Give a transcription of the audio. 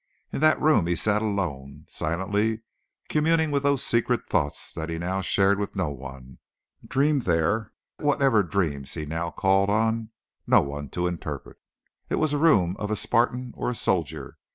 In that room he sat alone, silently communing with those secret thoughts that he now shared with no one, dreamed there whatever dreams he now called on no one to interpret. It was the room of a Spartan or a soldier.